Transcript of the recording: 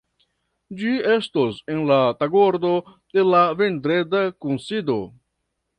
Ĝi estos en la tagordo de la vendreda kunsido.